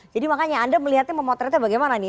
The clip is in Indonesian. jadi makanya anda melihatnya memotretnya bagaimana nih